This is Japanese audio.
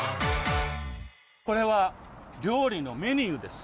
これはりょう理のメニューです。